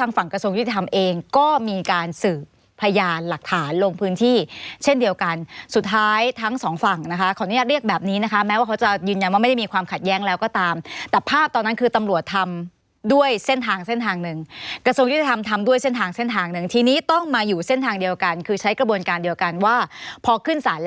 ทางฝั่งกระทรวงยุติธรรมเองก็มีการสืบพยานหลักฐานลงพื้นที่เช่นเดียวกันสุดท้ายทั้งสองฝั่งนะคะขออนุญาตเรียกแบบนี้นะคะแม้ว่าเขาจะยืนยันว่าไม่ได้มีความขัดแย้งแล้วก็ตามแต่ภาพตอนนั้นคือตำรวจทำด้วยเส้นทางเส้นทางหนึ่งกระทรวงยุติธรรมทำด้วยเส้นทางเส้นทางหนึ่งทีนี้ต้องมาอยู่เส้นทางเดียวกันคือใช้กระบวนการเดียวกันว่าพอขึ้นสารแล้ว